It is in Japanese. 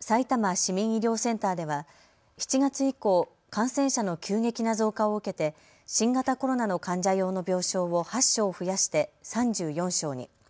さいたま市民医療センターでは７月以降、感染者の急激な増加を受けて新型コロナの患者用の病床を８床を増やして３４床に。